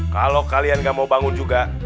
kalau kalian gak mau bangun juga